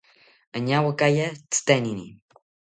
Añawakaya tzitenini